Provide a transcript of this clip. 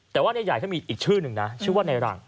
แต่ว่านายใหญ่มีอีกชื่อนึงชื่อว่านายรัง